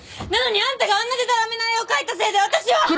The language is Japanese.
なのにあんたがあんなデタラメな絵を描いたせいで私は。